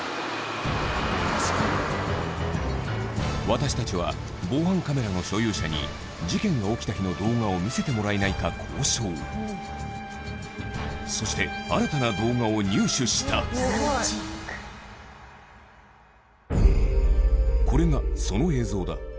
私たちは防犯カメラの所有者に事件が起きた日の動画を見せてもらえないか交渉そして新たな動画を入手したこれがその映像だ